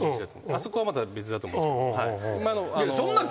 あそこはまた別だと思うんですけど。